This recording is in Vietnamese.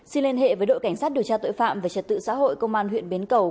xin liên hệ với đội cảnh sát điều tra tội phạm về trật tự xã hội công an huyện bến cầu